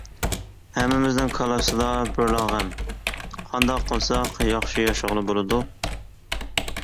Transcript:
ھەممىمىزنىڭ كاللىسىدا بىرلا غەم: «قانداق قىلساق ياخشى ياشىغىلى بولىدۇ» .